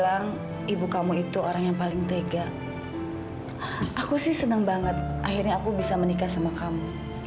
akhirnya aku bisa menikah sama kamu